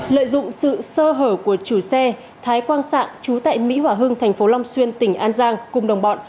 lợi dụng sự sơ hở của chủ xe thái quang sạn chú tại mỹ hòa hưng thành phố long xuyên tỉnh an giang cùng đồng bọn